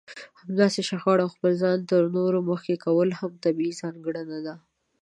همداسې شخړه او خپل ځان تر نورو مخکې کول هم طبيعي ځانګړنه ده.